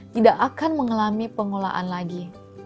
tidak akan mengalami pengelolaan lagi